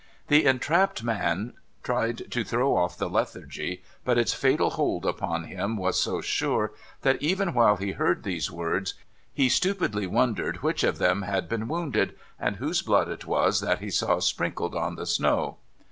The entrapped man tried to throw off the lethargy, but its fatal hold upon him was so sure that, even while he heard those words, 552 NO THOROUGHFARE he stupidly wondered which of them had been wounded, and whose blood it was that he saw sprinkled on the snow.